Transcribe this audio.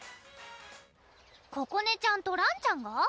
ここねちゃんとらんちゃんが？